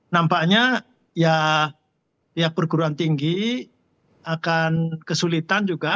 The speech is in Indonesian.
nampaknya ya pihak perguruan tinggi akan kesulitan juga